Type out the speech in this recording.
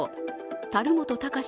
樽本貴司